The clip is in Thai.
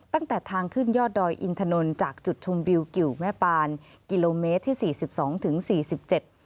ตั้งแต่ทางขึ้นยอดดอยอินถนนจากจุดชมวิวกิวแม่ปานกิโลเมตรที่สี่สิบสองถึงสี่สิบเจ็ด